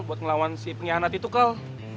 buat ngelawan si pengkhianat itu kal